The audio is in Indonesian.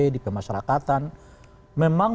di pemasyarakatan memang